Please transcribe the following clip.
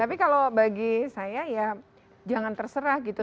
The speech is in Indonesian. tapi kalau bagi saya ya jangan terserah gitu